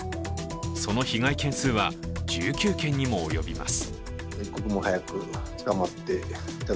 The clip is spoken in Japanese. その被害件数は１９件にもおよびます。